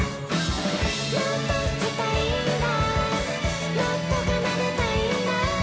「もっと弾きたいんだもっと奏でたいんだ」